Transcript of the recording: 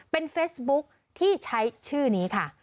เป็นเฟซบุ๊คที่ใช้ชื่อนี้ค่ะ